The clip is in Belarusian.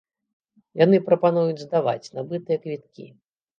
Яны прапануюць здаваць набытыя квіткі.